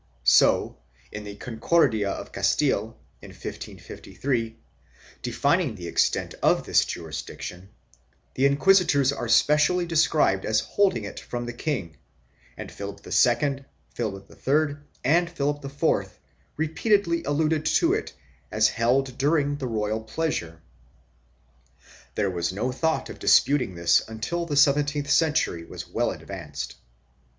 2 So, in the Concordia of Castile, in 1553, defining the extent of this jurisdiction, the inquisitors are specially described as hold ing it from the king, and Philip II, Philip III and Philip IV repeatedly alluded to it as held during the royal pleasure.3 There was no thought of disputing this until the seventeenth century was well advanced.